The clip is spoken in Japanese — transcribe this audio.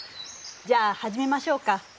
じゃあはじめましょうか。